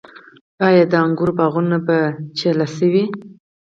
آیا د انګورو باغونه په چیله شوي؟